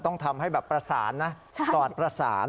ต้องทำให้แบบประสานนะก่อนประสาน